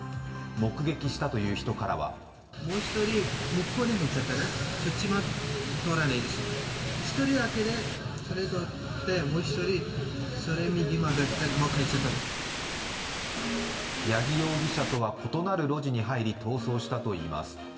目撃したという人からは八木容疑者とは異なる路地に入り逃走したといいます。